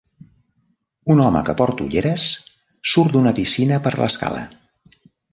Un home que porta ulleres surt d'una piscina per l'escala.